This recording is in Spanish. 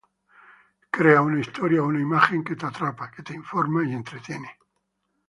Crea una historia o una imagen que te atrapa, que te informa y entretiene".